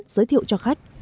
giới thiệu cho khách